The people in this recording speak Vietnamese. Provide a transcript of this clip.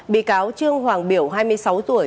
bị cáo trương hoàng biểu hai mươi sáu tuổi